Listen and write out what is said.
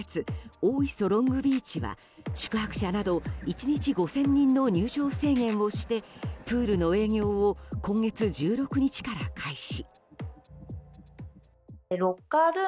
大磯ロングビーチは宿泊者など１日５０００人の入場制限をしてプールの営業を今月１６日から開始。